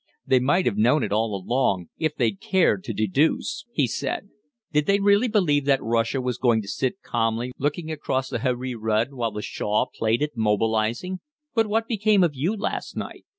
"They might have known it all along, if they'd cared to deduce," he said. "Did they really believe that Russia was going to sit calmly looking across the Heri Rud while the Shah played at mobilizing? But what became of you last night?